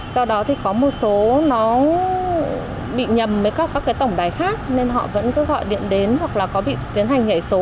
do đó thì có một số nó bị nhầm với các cái tổng đài khác nên họ vẫn cứ gọi điện đến hoặc là có bị tiến hành nhảy số